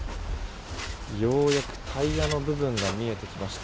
ようやくタイヤの部分が見えてきました。